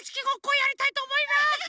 ごっこやりたいとおもいます！